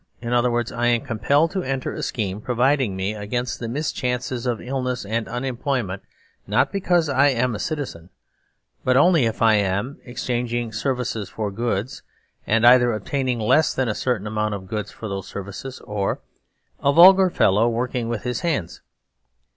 In other words, I am compelled to enter a scheme provid ing me against the mischances of illness and unem ployment not because I am a citizen, but only if I am: (1) Exchanging services for goods; and either (2) Obtaining less than a certain amount of goods for those services, or (3) A vulgar fellow working with his hands.